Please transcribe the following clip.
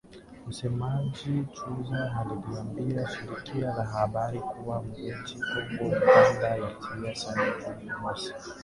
Msemaji wa Shujaa aliliambia shirika la habari kuwa majeshi ya Kongo na Uganda yalitia saini Juni mosi.